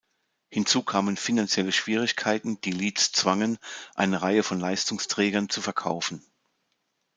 Hinzu kamen finanzielle Schwierigkeiten, die Leeds zwangen, eine Reihe von Leistungsträgern zu verkaufen.